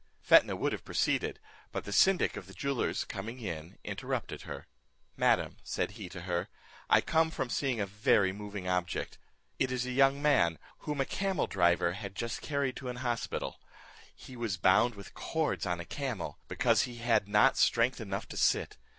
Fetnah would have proceeded, but the syndic of the jewellers coming in interrupted her: "Madam," said he to her, "I come from seeing a very moving object, it is a young man, whom a camel driver had just carried to an hospital: he was bound with cords on a camel, because he had not strength enough to sit.